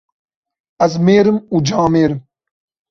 Ez mêr im û camêr im.